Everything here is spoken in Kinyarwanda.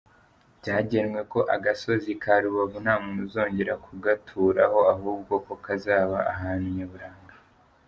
Byagenwe ko agasozi ka Rubavu nta muntu uzongera kugaturaho ahubwo ko kazaba ahantu nyaburanga.